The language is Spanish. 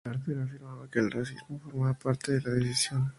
Carter afirmaba que el racismo formaba parte de la decisión.